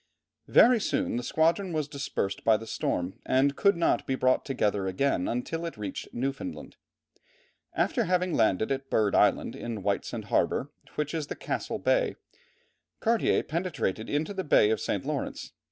Very soon the squadron was dispersed by the storm, and could not be brought together again until it reached Newfoundland. After having landed at Bird Island, in Whitesand harbour, which is in Castle Bay, Cartier penetrated into the Bay of St. Lawrence.